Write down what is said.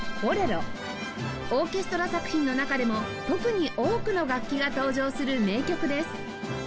オーケストラ作品の中でも特に多くの楽器が登場する名曲です